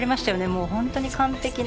もう本当に完璧な。